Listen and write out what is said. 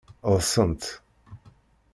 Ḍḍsent.